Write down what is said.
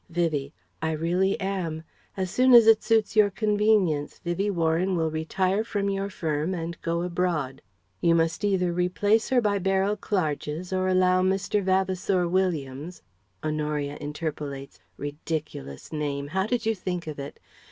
Vivie: "I really am. As soon as it suits your convenience, Vivie Warren will retire from your firm and go abroad. You must either replace her by Beryl Clarges or allow Mr. Vavasour Williams" (Honoria interpolates: "Ridiculous name! How did you think of it?")